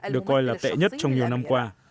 được coi là tệ nhất trong nhiều năm qua